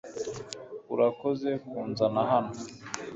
urakoze kunzana hano